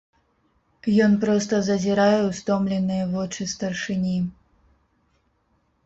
Ён проста зазірае ў стомленыя вочы старшыні.